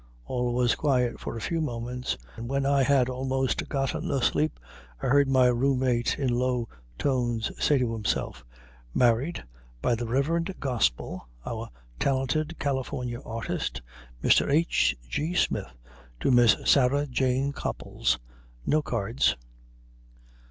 All was quiet for a few moments, and when I had almost gotten asleep I heard my room mate in low tones say to himself, "Married, by the Rev. Gospel, our talented California artist, Mr. H. G. Smith, to Miss Sarah Jane Copples. No cards."